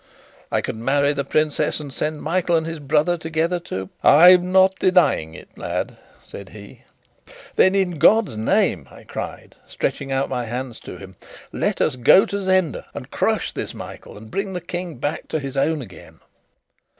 "I could marry the princess, and send Michael and his brother together to " "I'm not denying it, lad," said he. "Then, in God's name," I cried, stretching out my hands to him, "let us go to Zenda and crush this Michael and bring the King back to his own again."